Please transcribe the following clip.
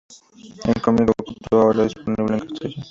Y el cómic oculto ahora está disponible en castellano.